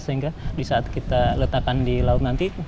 sehingga di saat kita letakkan di laut nanti